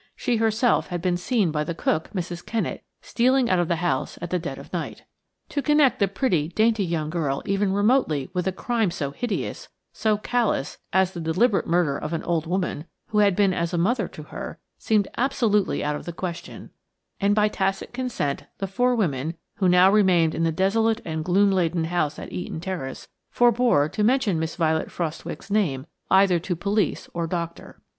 She herself had been seen by the cook, Mrs. Kennett, stealing out of the house at dead of night. To connect the pretty, dainty young girl even remotely with a crime so hideous, so callous, as the deliberate murder of an old woman, who had been as a mother to her, seemed absolutely out of the question, and by tacit consent the four women, who now remained in the desolate and gloom laden house at Eaton Terrace, forbore to mention Miss Violet Frostiwicke's name either to police or doctor.